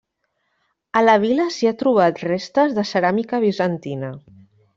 A la vila s'hi ha trobat restes de ceràmica bizantina.